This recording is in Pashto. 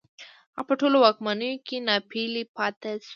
هغه په ټولو واکمنیو کې ناپېیلی پاتې شو